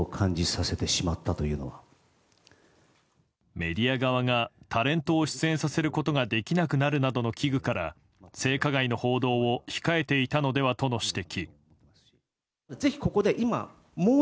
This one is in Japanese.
メディア側がタレントを出演させることができなくなるなどの危惧から性加害の報道を控えていたのではとの指摘。